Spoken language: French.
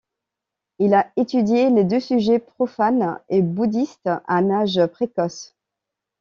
Il a étudié les deux sujets profanes et bouddhistes à un âge précoce.